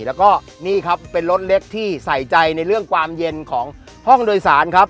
แล้วก็นี่ครับเป็นรถเล็กที่ใส่ใจในเรื่องความเย็นของห้องโดยสารครับ